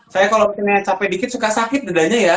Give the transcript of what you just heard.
saya kalau misalnya capek dikit suka sakit dedanya ya